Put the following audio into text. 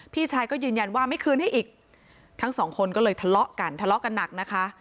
พี่ชายก็ยืนยันว่าไม่คืนให้อีกทั้งสองคนก็เลยทะเลาะกันทะเลาะกันหนักนะคะ